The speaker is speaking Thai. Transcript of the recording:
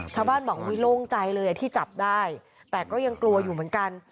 ชาวบ้านบอกอุ๊ยโล่งใจเลยที่จับได้แต่ก็ยังกลัวอยู่เหมือนกัน